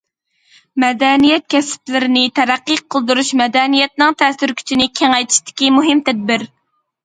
مەدەنىيەت كەسىپلىرىنى تەرەققىي قىلدۇرۇش مەدەنىيەتنىڭ تەسىر كۈچىنى كېڭەيتىشتىكى مۇھىم تەدبىر.